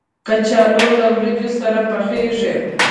کچالو له وریجو سره پخېږي